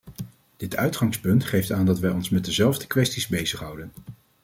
Dit uitgangspunt geeft aan dat wij ons met dezelfde kwesties bezighouden.